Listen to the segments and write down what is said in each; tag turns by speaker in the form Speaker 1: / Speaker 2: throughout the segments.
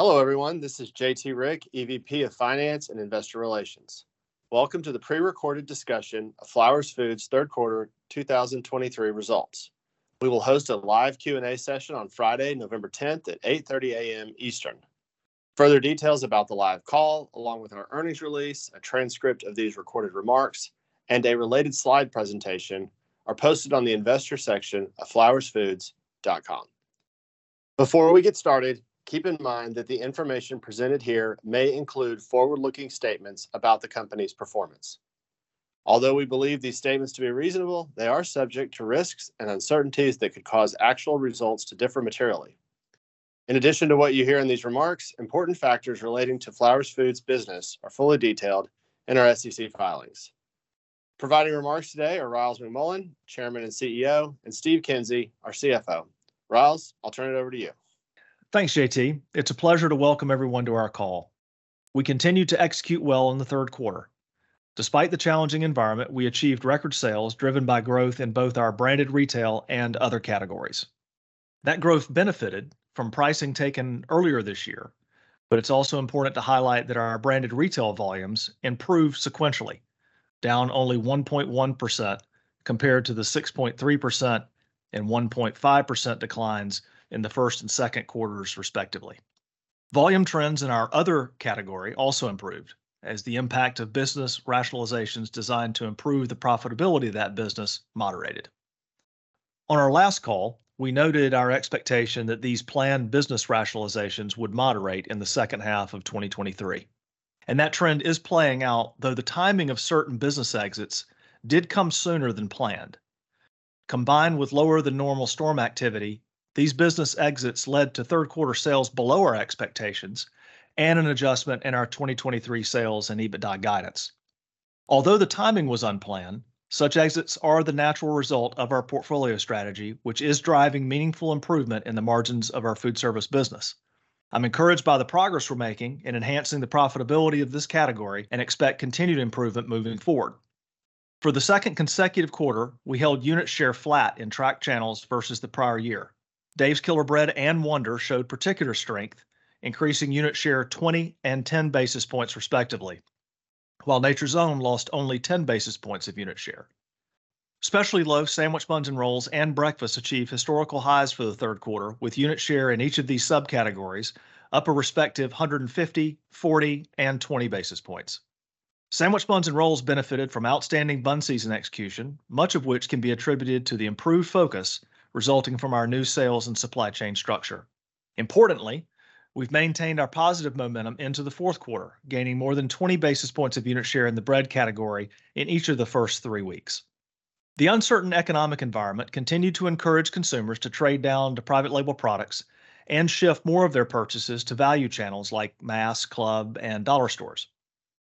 Speaker 1: Hello, everyone. This is J.T. Rieck, EVP of Finance and Investor Relations. Welcome to the pre-recorded discussion of Flowers Foods' third quarter 2023 results. We will host a live Q&A session on Friday, November 10 at 8:30 A.M. Eastern. Further details about the live call, along with our earnings release, a transcript of these recorded remarks, and a related slide presentation, are posted on the investor section of flowersfoods.com. Before we get started, keep in mind that the information presented here may include forward-looking statements about the company's performance. Although we believe these statements to be reasonable, they are subject to risks and uncertainties that could cause actual results to differ materially. In addition to what you hear in these remarks, important factors relating to Flowers Foods' business are fully detailed in our SEC filings. Providing remarks today are Ryals McMullian, Chairman and CEO, and Steve Kinsey, our CFO. Ryals, I'll turn it over to you.
Speaker 2: Thanks, J.T. It's a pleasure to welcome everyone to our call. We continued to execute well in the third quarter. Despite the challenging environment, we achieved record sales driven by growth in both our branded retail and other categories. That growth benefited from pricing taken earlier this year, but it's also important to highlight that our branded retail volumes improved sequentially, down only 1.1% compared to the 6.3% and 1.5% declines in the first and second quarters, respectively. Volume trends in our other category also improved as the impact of business rationalizations designed to improve the profitability of that business moderated. On our last call, we noted our expectation that these planned business rationalizations would moderate in the second half of 2023, and that trend is playing out, though the timing of certain business exits did come sooner than planned. Combined with lower-than-normal storm activity, these business exits led to third quarter sales below our expectations and an adjustment in our 2023 sales and EBITDA guidance. Although the timing was unplanned, such exits are the natural result of our portfolio strategy, which is driving meaningful improvement in the margins of our food service business. I'm encouraged by the progress we're making in enhancing the profitability of this category and expect continued improvement moving forward. For the second consecutive quarter, we held unit share flat in tracked channels versus the prior year. Dave's Killer Bread and Wonder showed particular strength, increasing unit share 20 and 10 basis points, respectively, while Nature's Own lost only 10 basis points of unit share. Specialty loaf, sandwich buns and rolls, and breakfast achieved historical highs for the third quarter, with unit share in each of these subcategories up a respective 150, 40, and 20 basis points. Sandwich buns and rolls benefited from outstanding bun season execution, much of which can be attributed to the improved focus resulting from our new sales and supply chain structure. Importantly, we've maintained our positive momentum into the fourth quarter, gaining more than 20 basis points of unit share in the bread category in each of the first three weeks. The uncertain economic environment continued to encourage consumers to trade down to private label products and shift more of their purchases to value channels like mass, club, and dollar stores.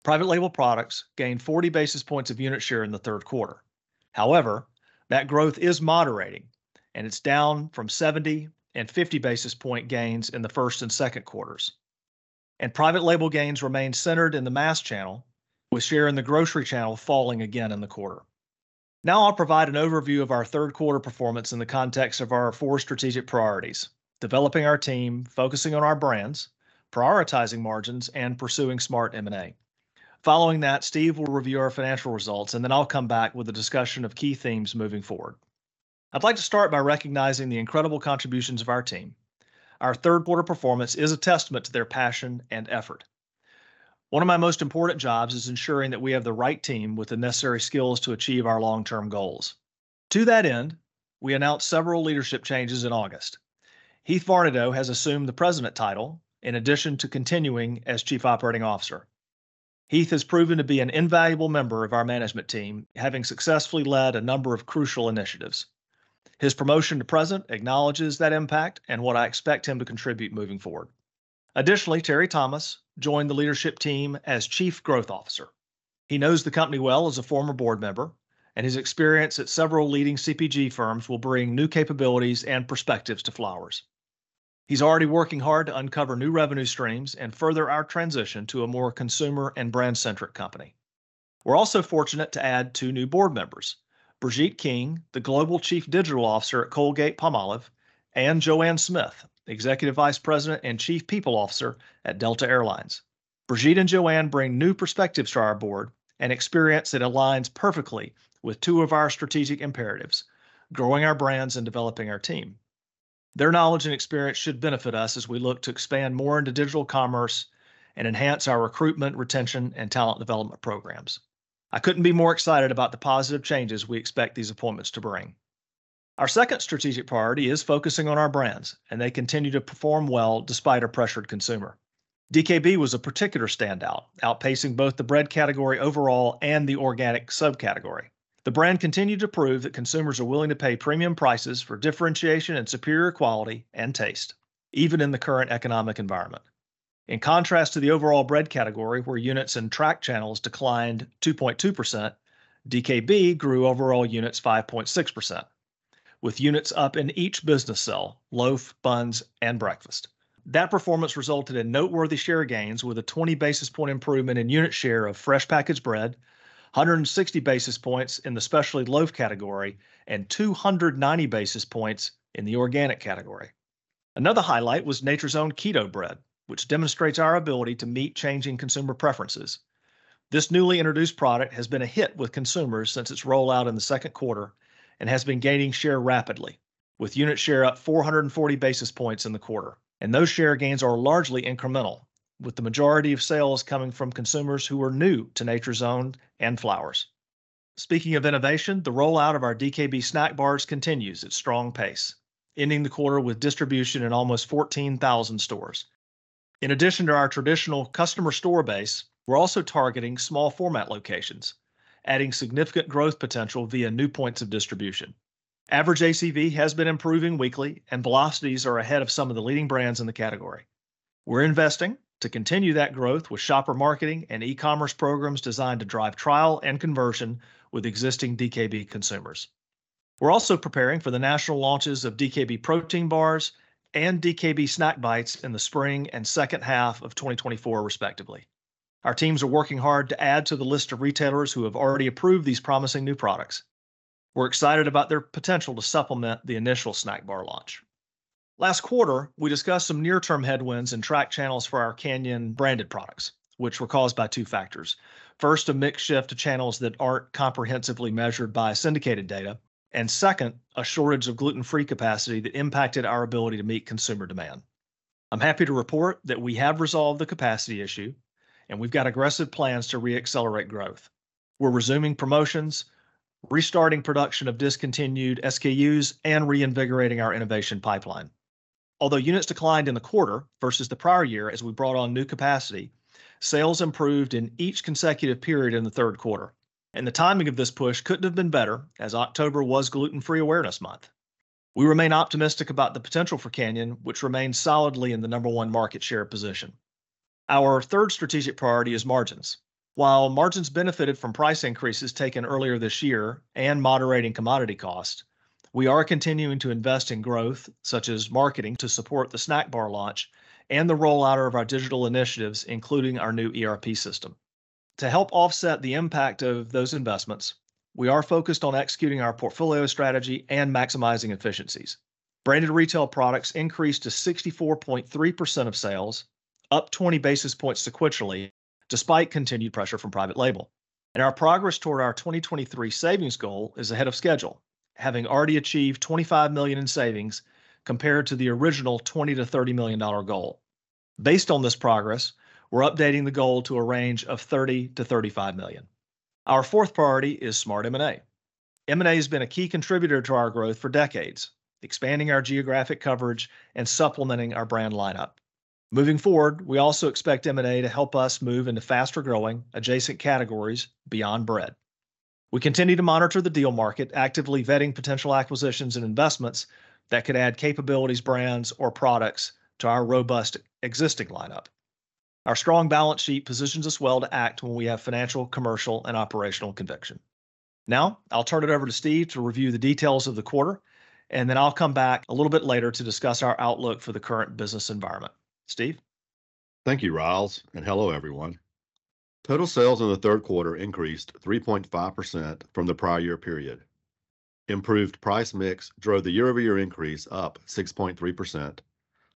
Speaker 2: Private label products gained 40 basis points of unit share in the third quarter. However, that growth is moderating, and it's down from 70 and 50 basis point gains in the first and second quarters. Private label gains remain centered in the mass channel, with share in the grocery channel falling again in the quarter. Now I'll provide an overview of our third quarter performance in the context of our four strategic priorities: developing our team, focusing on our brands, prioritizing margins, and pursuing smart M&A. Following that, Steve will review our financial results, and then I'll come back with a discussion of key themes moving forward. I'd like to start by recognizing the incredible contributions of our team. Our third quarter performance is a testament to their passion and effort. One of my most important jobs is ensuring that we have the right team with the necessary skills to achieve our long-term goals. To that end, we announced several leadership changes in August. Heeth Varnedoe IV has assumed the president title in addition to continuing as Chief Operating Officer. Heeth has proven to be an invaluable member of our management team, having successfully led a number of crucial initiatives. His promotion to president acknowledges that impact and what I expect him to contribute moving forward. Additionally, Terry S. Thomas joined the leadership team as Chief Growth Officer. He knows the company well as a former board member, and his experience at several leading CPG firms will bring new capabilities and perspectives to Flowers. He's already working hard to uncover new revenue streams and further our transition to a more consumer and brand-centric company. We're also fortunate to add two new board members, Brigitte King, the Global Chief Digital Officer at Colgate-Palmolive, and Joanne Smith, Executive Vice President and Chief People Officer at Delta Air Lines. Brigitte and Joanne bring new perspectives to our board, an experience that aligns perfectly with two of our strategic imperatives: growing our brands and developing our team. Their knowledge and experience should benefit us as we look to expand more into digital commerce and enhance our recruitment, retention, and talent development programs. I couldn't be more excited about the positive changes we expect these appointments to bring. Our second strategic priority is focusing on our brands, and they continue to perform well despite a pressured consumer. DKB was a particular standout, outpacing both the bread category overall and the organic subcategory. The brand continued to prove that consumers are willing to pay premium prices for differentiation and superior quality and taste, even in the current economic environment. In contrast to the overall bread category, where units in tracked channels declined 2.2%, DKB grew overall units 5.6%, with units up in each business cell: loaf, buns, and breakfast. That performance resulted in noteworthy share gains, with a 20 basis points improvement in unit share of fresh packaged bread, 160 basis points in the specialty loaf category, and 290 basis points in the organic category. Another highlight was Nature's Own Keto bread, which demonstrates our ability to meet changing consumer preferences. This newly introduced product has been a hit with consumers since its rollout in the second quarter, and has been gaining share rapidly, with unit share up 440 basis points in the quarter. Those share gains are largely incremental, with the majority of sales coming from consumers who are new to Nature's Own and Flowers. Speaking of innovation, the rollout of our DKB snack bars continues at strong pace, ending the quarter with distribution in almost 14,000 stores. In addition to our traditional customer store base, we're also targeting small format locations, adding significant growth potential via new points of distribution. Average ACV has been improving weekly, and velocities are ahead of some of the leading brands in the category. We're investing to continue that growth with shopper marketing and e-commerce programs designed to drive trial and conversion with existing DKB consumers. We're also preparing for the national launches of DKB protein bars and DKB snack bites in the spring and second half of 2024, respectively. Our teams are working hard to add to the list of retailers who have already approved these promising new products. We're excited about their potential to supplement the initial snack bar launch. Last quarter, we discussed some near-term headwinds in tracked channels for our Canyon-branded products, which were caused by two factors. First, a mix shift to channels that aren't comprehensively measured by syndicated data, and second, a shortage of gluten-free capacity that impacted our ability to meet consumer demand. I'm happy to report that we have resolved the capacity issue, and we've got aggressive plans to re-accelerate growth. We're resuming promotions, restarting production of discontinued SKUs, and reinvigorating our innovation pipeline. Although units declined in the quarter versus the prior year as we brought on new capacity, sales improved in each consecutive period in the third quarter. The timing of this push couldn't have been better, as October was Gluten-Free Awareness Month. We remain optimistic about the potential for Canyon, which remains solidly in the number one market share position. Our third strategic priority is margins. While margins benefited from price increases taken earlier this year and moderating commodity costs, we are continuing to invest in growth, such as marketing, to support the snack bar launch and the rollout of our digital initiatives, including our new ERP system. To help offset the impact of those investments, we are focused on executing our portfolio strategy and maximizing efficiencies. Branded retail products increased to 64.3% of sales, up 20 basis points sequentially, despite continued pressure from private label. Our progress toward our 2023 savings goal is ahead of schedule, having already achieved $25 million in savings compared to the original $20 million-$30 million goal. Based on this progress, we're updating the goal to a range of $30 million-$35 million. Our fourth priority is smart M&A. M&A has been a key contributor to our growth for decades, expanding our geographic coverage and supplementing our brand lineup. Moving forward, we also expect M&A to help us move into faster-growing adjacent categories beyond bread. We continue to monitor the deal market, actively vetting potential acquisitions and investments that could add capabilities, brands, or products to our robust existing lineup. Our strong balance sheet positions us well to act when we have financial, commercial, and operational conviction. Now, I'll turn it over to Steve to review the details of the quarter, and then I'll come back a little bit later to discuss our outlook for the current business environment. Steve?
Speaker 3: Thank you, Ryals, and hello, everyone. Total sales in the third quarter increased 3.5% from the prior year period. Improved price mix drove the year-over-year increase up 6.3%,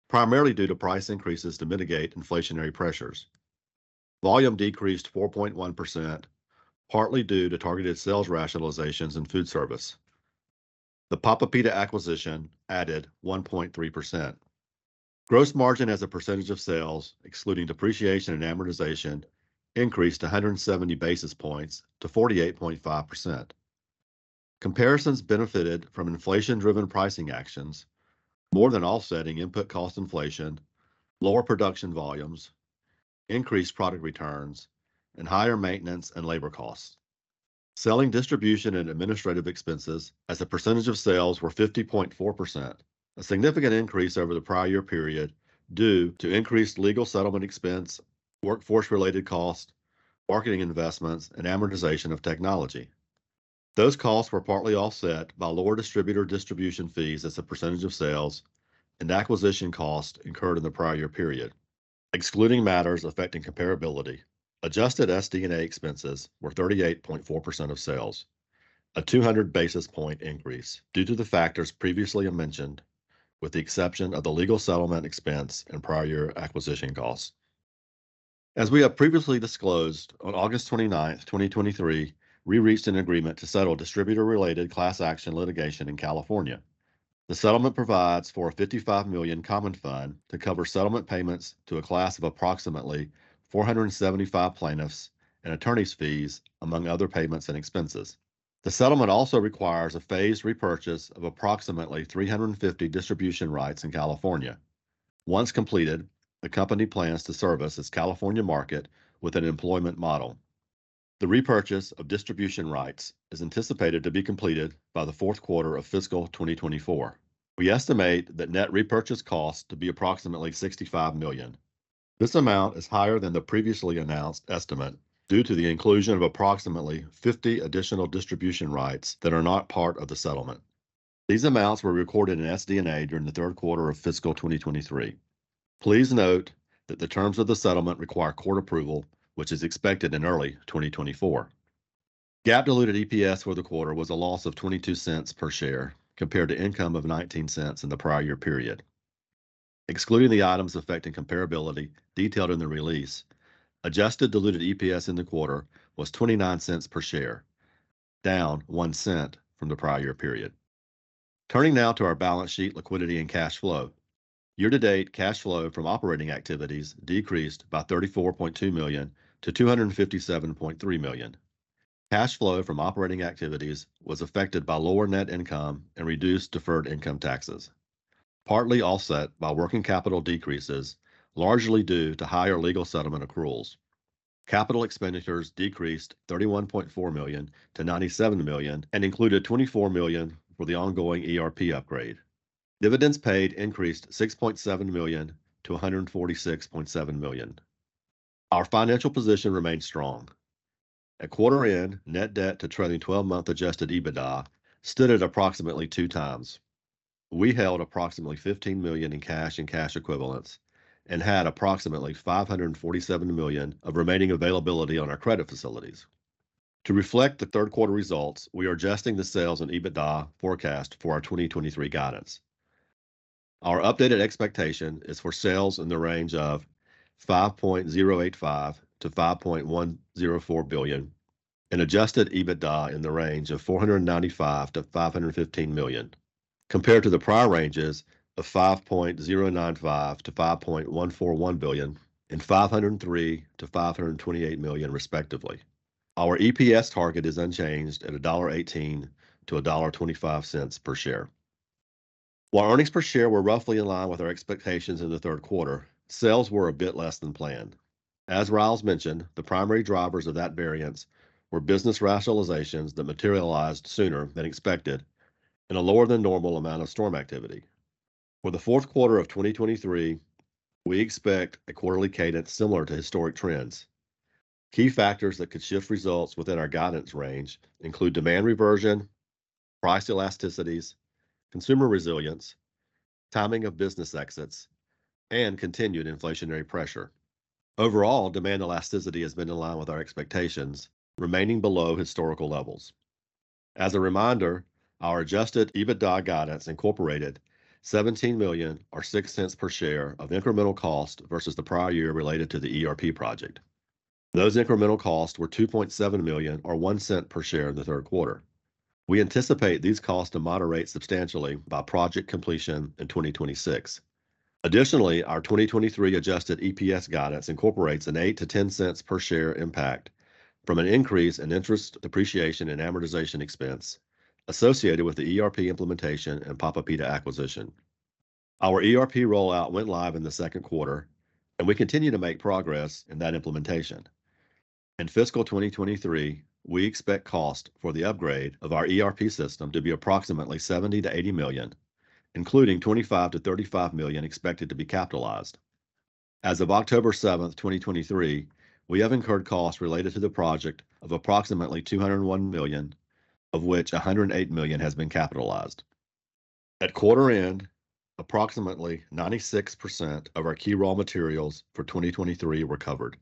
Speaker 3: primarily due to price increases to mitigate inflationary pressures. Volume decreased 4.1%, partly due to targeted sales rationalizations and food service. The Papa Pita acquisition added 1.3%. Gross margin as a percentage of sales, excluding depreciation and amortization, increased 170 basis points to 48.5%. Comparisons benefited from inflation-driven pricing actions, more than offsetting input cost inflation, lower production volumes, increased product returns, and higher maintenance and labor costs. Selling, distribution, and administrative expenses as a percentage of sales were 50.4%, a significant increase over the prior year period due to increased legal settlement expense, workforce-related costs, marketing investments, and amortization of technology. Those costs were partly offset by lower distributor distribution fees as a percentage of sales and acquisition costs incurred in the prior year period. Excluding matters affecting comparability, adjusted SD&A expenses were 38.4% of sales, a 200 basis point increase due to the factors previously mentioned, with the exception of the legal settlement expense and prior year acquisition costs. As we have previously disclosed, on August 29th, 2023, we reached an agreement to settle distributor-related class action litigation in California. The settlement provides for a $55 million common fund to cover settlement payments to a class of approximately 475 plaintiffs and attorneys' fees, among other payments and expenses. The settlement also requires a phased repurchase of approximately 350 distribution rights in California. Once completed, the company plans to service its California market with an employment model. The repurchase of distribution rights is anticipated to be completed by the fourth quarter of fiscal 2024. We estimate that net repurchase costs to be approximately $65 million. This amount is higher than the previously announced estimate due to the inclusion of approximately 50 additional distribution rights that are not part of the settlement. These amounts were recorded in SD&A during the third quarter of fiscal 2023. Please note that the terms of the settlement require court approval, which is expected in early 2024. GAAP diluted EPS for the quarter was a loss of $0.22 per share, compared to income of $0.19 in the prior year period. Excluding the items affecting comparability detailed in the release, adjusted diluted EPS in the quarter was $0.29 per share, down $0.01 from the prior year period. Turning now to our balance sheet, liquidity and cash flow. Year to date, cash flow from operating activities decreased by $34.2 million to $257.3 million. Cash flow from operating activities was affected by lower net income and reduced deferred income taxes, partly offset by working capital decreases, largely due to higher legal settlement accruals. Capital expenditures decreased $31.4 million to $97 million and included $24 million for the ongoing ERP upgrade. Dividends paid increased $6.7 million to $146.7 million. Our financial position remains strong. At quarter end, net debt to trailing twelve-month adjusted EBITDA stood at approximately 2x. We held approximately $15 million in cash and cash equivalents and had approximately $547 million of remaining availability on our credit facilities. To reflect the third quarter results, we are adjusting the sales and EBITDA forecast for our 2023 guidance. Our updated expectation is for sales in the range of $5.085 billion-$5.104 billion, and adjusted EBITDA in the range of $495 million-$515 million, compared to the prior ranges of $5.095 billion-$5.141 billion and $503 million-$528 million respectively. Our EPS target is unchanged at $1.18-$1.25 per share. While earnings per share were roughly in line with our expectations in the third quarter, sales were a bit less than planned. As Ryals mentioned, the primary drivers of that variance were business rationalizations that materialized sooner than expected and a lower than normal amount of storm activity. For the fourth quarter of 2023, we expect a quarterly cadence similar to historic trends. Key factors that could shift results within our guidance range include demand reversion, price elasticities, consumer resilience, timing of business exits, and continued inflationary pressure. Overall, demand elasticity has been in line with our expectations, remaining below historical levels. As a reminder, our adjusted EBITDA guidance incorporated $17 million, or $0.06 per share of incremental cost versus the prior year related to the ERP project. Those incremental costs were $2.7 million, or $0.01 per share in the third quarter. We anticipate these costs to moderate substantially by project completion in 2026. Additionally, our 2023 adjusted EPS guidance incorporates an $0.08-$0.10 per share impact from an increase in interest, depreciation, and amortization expense associated with the ERP implementation and Papa Pita acquisition. Our ERP rollout went live in the second quarter, and we continue to make progress in that implementation. In fiscal 2023, we expect cost for the upgrade of our ERP system to be approximately $70 million-$80 million, including $25 million-$35 million expected to be capitalized. As of October seventh, 2023, we have incurred costs related to the project of approximately $201 million, of which $108 million has been capitalized. At quarter end, approximately 96% of our key raw materials for 2023 were covered.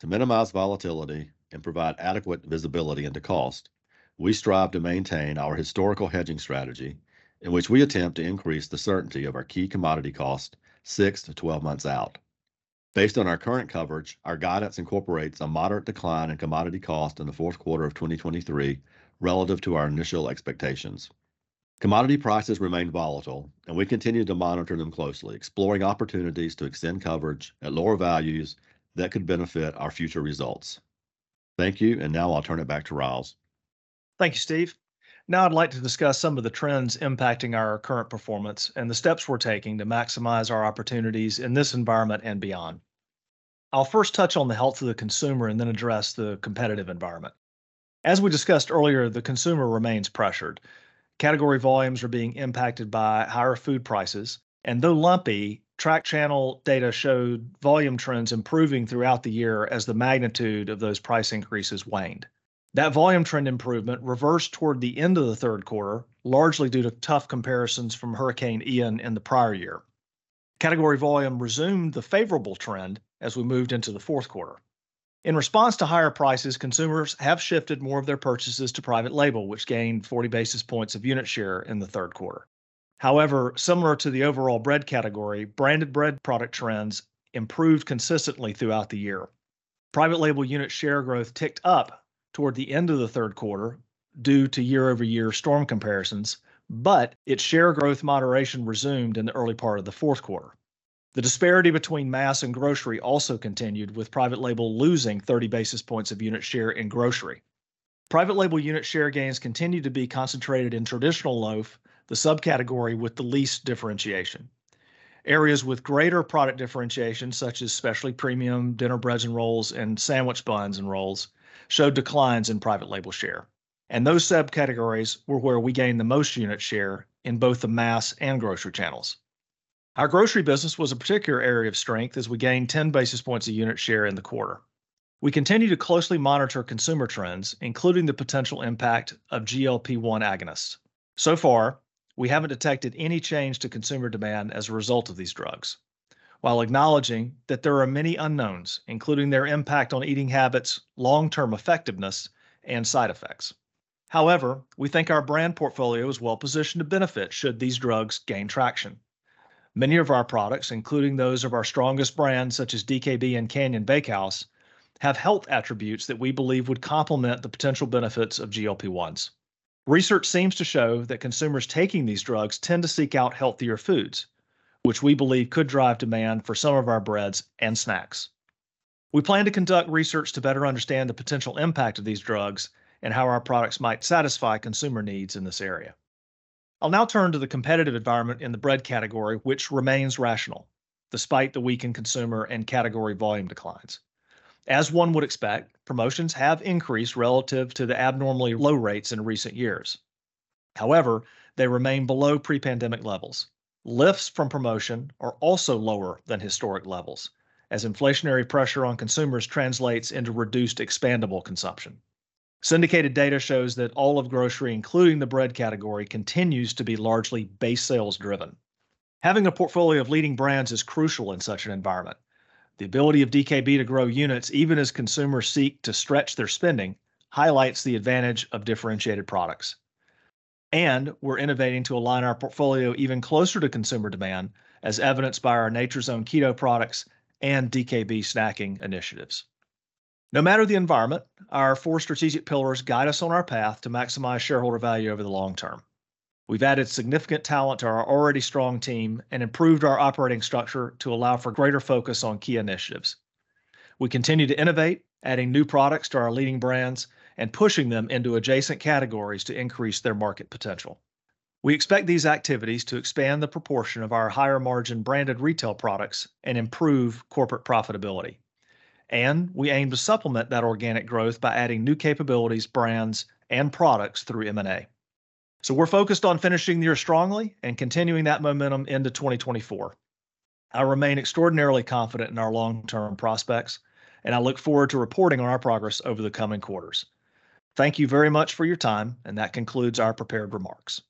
Speaker 3: To minimize volatility and provide adequate visibility into cost, we strive to maintain our historical hedging strategy, in which we attempt to increase the certainty of our key commodity cost 6-12 months out. Based on our current coverage, our guidance incorporates a moderate decline in commodity cost in the fourth quarter of 2023 relative to our initial expectations. Commodity prices remained volatile, and we continued to monitor them closely, exploring opportunities to extend coverage at lower values that could benefit our future results. Thank you, and now I'll turn it back to Ryals.
Speaker 2: Thank you, Steve. Now I'd like to discuss some of the trends impacting our current performance and the steps we're taking to maximize our opportunities in this environment and beyond. I'll first touch on the health of the consumer and then address the competitive environment. As we discussed earlier, the consumer remains pressured. Category volumes are being impacted by higher food prices, and though lumpy, tracked channel data showed volume trends improving throughout the year as the magnitude of those price increases waned. That volume trend improvement reversed toward the end of the third quarter, largely due to tough comparisons from Hurricane Ian in the prior year. Category volume resumed the favorable trend as we moved into the fourth quarter. In response to higher prices, consumers have shifted more of their purchases to private label, which gained 40 basis points of unit share in the third quarter. However, similar to the overall bread category, branded bread product trends improved consistently throughout the year. Private label unit share growth ticked up toward the end of the third quarter due to year-over-year storm comparisons, but its share growth moderation resumed in the early part of the fourth quarter. The disparity between mass and grocery also continued, with private label losing 30 basis points of unit share in grocery. Private label unit share gains continued to be concentrated in traditional loaf, the subcategory with the least differentiation. Areas with greater product differentiation, such as specialty premium dinner breads and rolls, and sandwich buns and rolls, showed declines in private label share, and those subcategories were where we gained the most unit share in both the mass and grocery channels. Our grocery business was a particular area of strength as we gained 10 basis points a unit share in the quarter. We continue to closely monitor consumer trends, including the potential impact of GLP-1 agonists. So far, we haven't detected any change to consumer demand as a result of these drugs, while acknowledging that there are many unknowns, including their impact on eating habits, long-term effectiveness, and side effects. However, we think our brand portfolio is well-positioned to benefit should these drugs gain traction. Many of our products, including those of our strongest brands, such as DKB and Canyon Bakehouse, have health attributes that we believe would complement the potential benefits of GLP-1s. Research seems to show that consumers taking these drugs tend to seek out healthier foods, which we believe could drive demand for some of our breads and snacks. We plan to conduct research to better understand the potential impact of these drugs and how our products might satisfy consumer needs in this area. I'll now turn to the competitive environment in the bread category, which remains rational despite the weakened consumer and category volume declines. As one would expect, promotions have increased relative to the abnormally low rates in recent years. However, they remain below pre-pandemic levels. Lifts from promotion are also lower than historic levels, as inflationary pressure on consumers translates into reduced expandable consumption. Syndicated data shows that all of grocery, including the bread category, continues to be largely base sales driven. Having a portfolio of leading brands is crucial in such an environment. The ability of DKB to grow units, even as consumers seek to stretch their spending, highlights the advantage of differentiated products. We're innovating to align our portfolio even closer to consumer demand, as evidenced by our Nature's Own Keto products and DKB snacking initiatives. No matter the environment, our four strategic pillars guide us on our path to maximize shareholder value over the long-term. We've added significant talent to our already strong team and improved our operating structure to allow for greater focus on key initiatives. We continue to innovate, adding new products to our leading brands and pushing them into adjacent categories to increase their market potential. We expect these activities to expand the proportion of our higher-margin branded retail products and improve corporate profitability. We aim to supplement that organic growth by adding new capabilities, brands, and products through M&A. We're focused on finishing the year strongly and continuing that momentum into 2024. I remain extraordinarily confident in our long-term prospects, and I look forward to reporting on our progress over the coming quarters. Thank you very much for your time, and that concludes our prepared remarks.